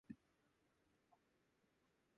大きいサイズ